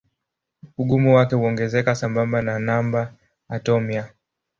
Ugumu wake huongezeka sambamba na namba atomia.